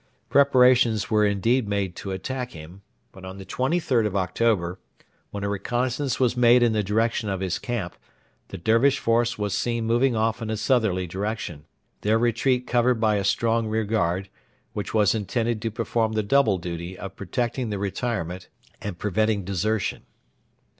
Preparations were indeed made to attack him; but on the 23rd of October, when a reconnaissance was made in the direction of his camp, the Dervish force was seen moving off in a southerly direction, their retreat covered by a strong rearguard, which was intended to perform the double duty of protecting the retirement and preventing desertion.